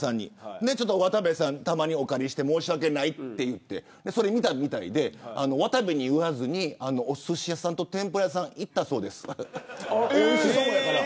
渡部さん、たまにお借りして申し訳ないと言ったらそれを見たみたいで渡部に言わずにおすし屋さんと天ぷら屋さん行ったそうです。